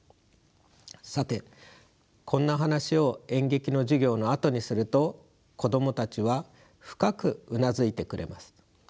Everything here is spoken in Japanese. さてこんな話を演劇の授業のあとにすると子供たちは深くうなずいてくれます。